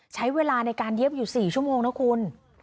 ใช้เวลาในการเย็บอยู่๔ชั่วโมงนะคุณ